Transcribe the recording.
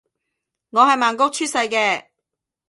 我係曼谷出世嘅